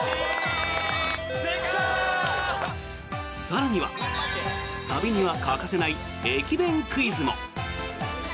更には、旅には欠かせない駅弁クイズも。